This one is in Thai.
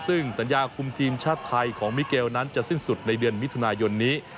ซึ่งสัญญาคุมทีมชาติไทยของมิเกลนั้นจะสิ้นสุดในเดือนมิถุนายนนี้